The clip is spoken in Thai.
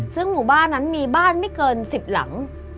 ซึ่งหมู่บ้านนั้นมีบ้านไม่เกิน๑๐หลัง